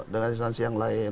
dengan instansi yang lain